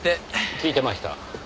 聞いてました。